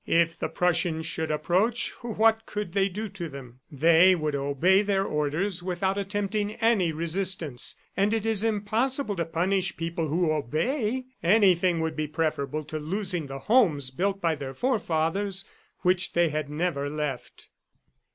If the Prussians should approach, what could they do to them? ... They would obey their orders without attempting any resistance, and it is impossible to punish people who obey. ... Anything would be preferable to losing the homes built by their forefathers which they had never left.